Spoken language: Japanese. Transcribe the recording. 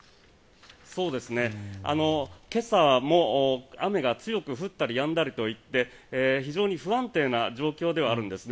今朝も雨が強く降ったりやんだりといって非常に不安定な状況ではあるんですね。